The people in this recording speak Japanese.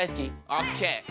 オッケー。